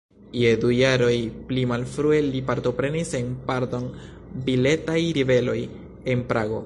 Je du jaroj pli malfrue li partoprenis en pardon-biletaj ribeloj en Prago.